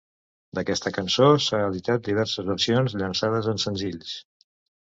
D'aquesta cançó s'han editat diverses versions llançades en senzills.